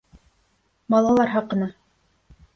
Балалар хаҡына